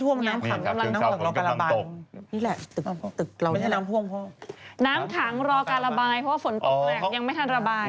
เพราะว่าฝนตกลายยังไม่ทันระบาย